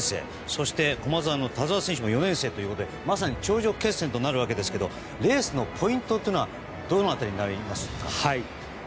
そして、駒澤の田澤選手も４年生ということでまさに頂上決戦となりますがレースのポイントはどの辺りですか？